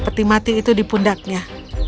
peti mati itu di pundaknya